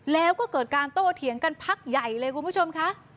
แล้วก็เกิดการโต้เถียงกันพักใหญ่เลยคุณผู้ชมค่ะ